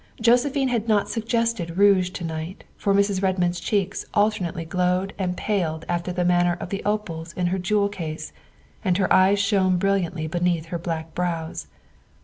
Josephine had not suggested rouge to night, for Mrs. Redmond's cheeks alternately glowed and paled after the manner of the opals in her jewel case and her eyes shone brilliantly beneath her black brows.